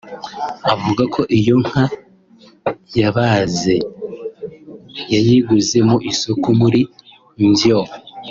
avuga ko iyo nka yabaze yayiguze mu isoko muri Mbyo